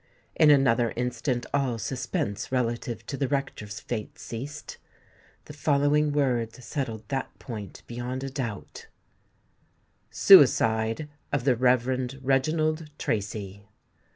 In another instant all suspense relative to the rector's fate ceased. The following words settled that point beyond a doubt:— "SUICIDE OF THE REV. REGINALD TRACY.